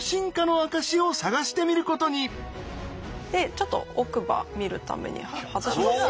ちょっと奥歯見るために外します。